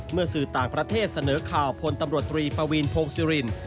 สื่อต่างประเทศเสนอข่าวพลตำรวจตรีปวีนโพงศิริน